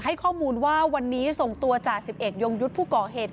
ให้ข้อมูลว่าวันนี้ส่งตัวจ่าสิบเอกยงยุทธ์ผู้ก่อเหตุ